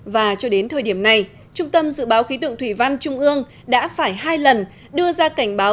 và cho đến thời điểm này trung tâm dự báo khí tượng thủy văn trung ương đã phải hai lần đưa ra cảnh báo